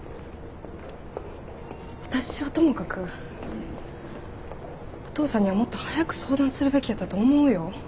私はともかくお父さんにはもっと早く相談するべきやったと思うよ。